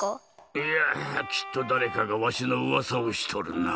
いやきっとだれかがわしのうわさをしとるな。